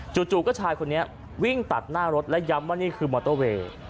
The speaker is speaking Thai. จู่ก็ชายคนนี้วิ่งตัดหน้ารถและย้ำว่านี่คือมอเตอร์เวย์